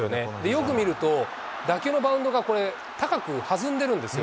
よく見ると、打球のバウンドがこれ、高く弾んでるんですよ。